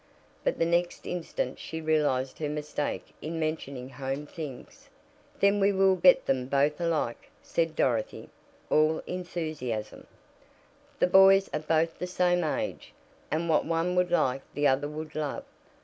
But the next instant she realized her mistake in mentioning home things. "Then we will get them both alike," said Dorothy, all enthusiasm. "The boys are both the same age, and what one would like the other would love.